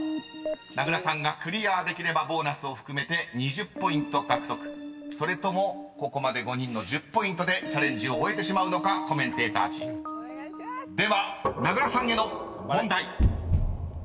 ［名倉さんがクリアできればボーナスを含めて２０ポイント獲得それともここまで５人の１０ポイントでチャレンジを終えてしまうのかコメンテーターチーム］お願いします。